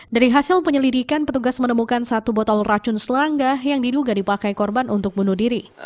dari hasil penyelidikan petugas menemukan satu botol racun selangga yang diduga dipakai korban untuk bunuh diri